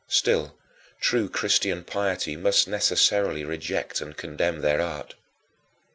Still, true Christian piety must necessarily reject and condemn their art.